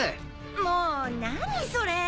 もう何それ。